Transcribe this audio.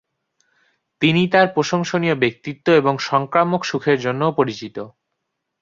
তিনি তার প্রশংসনীয় ব্যক্তিত্ব এবং সংক্রামক সুখের জন্যও পরিচিত।